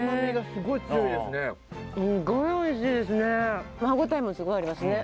すごいおいしいですね。